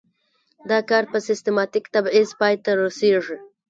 دا کار په سیستماتیک تبعیض پای ته رسیږي.